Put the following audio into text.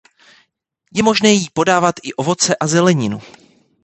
Je možné jí podávat i ovoce a zeleninu.